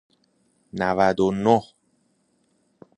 نود و نه